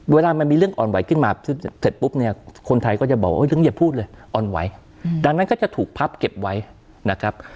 เวลามันมีเรื่องอ่อนไหวขึ้นมาเสร็จปุ๊บเนี่ยคนไทยก็จะบอกว่าเรื่องอย่าพูดเลยอ่อนไหวดังนั้นก็จะถูกพับเก็บไว้นะครับ